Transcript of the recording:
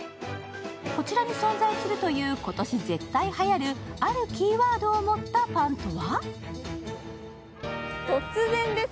こちらに存在するという今年絶対はやるあるキーワードを持ったパンとは？